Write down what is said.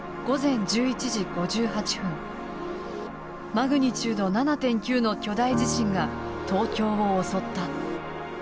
マグニチュード７．９の巨大地震が東京を襲った。